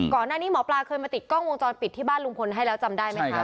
ก่อนหน้านี้หมอปลาเคยมาติดกล้องวงจรปิดที่บ้านลุงพลให้แล้วจำได้ไหมคะ